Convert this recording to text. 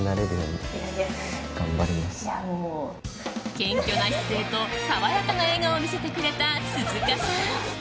謙虚な姿勢と爽やかな笑顔を見せてくれた鈴鹿さん。